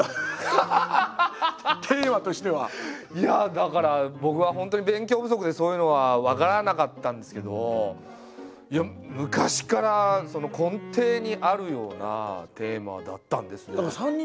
だから僕は本当に勉強不足でそういうのは分からなかったんですけど昔から根底にあるようなテーマだったんですね。